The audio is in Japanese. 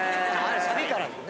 サビからのね。